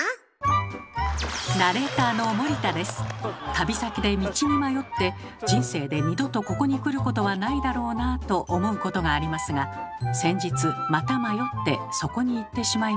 旅先で道に迷って人生で二度とここに来ることはないだろうなと思うことがありますが先日また迷ってそこに行ってしまいました。